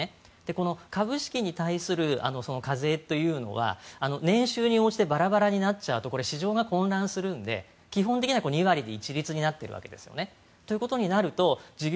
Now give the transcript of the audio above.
この株式に対する課税というのは年収に応じてバラバラになっちゃうと市場が混乱するので基本的には２割で一律になっているわけですね。ということになると事業